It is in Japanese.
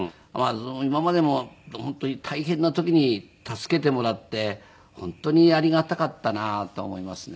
今までも本当に大変な時に助けてもらって本当にありがたかったなと思いますね。